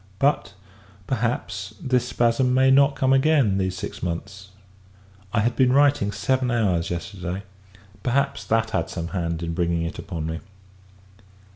But, perhaps, this spasm may not come again these six months. I had been writing seven hours yesterday; perhaps, that had some hand in bringing it upon me.